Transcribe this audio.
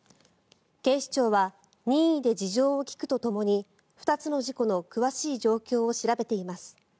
警視庁は任意で事情を聴くとともに２つの事故の詳しい状況を調べています。